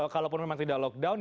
kalaupun memang tidak lockdown